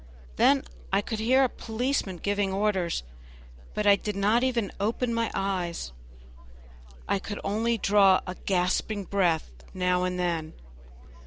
Then I could hear a policeman giving orders, but I did not even open my eyes; I could only draw a gasping breath now and then.